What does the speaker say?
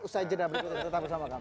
saya jeda berikutnya tetap bersama kamu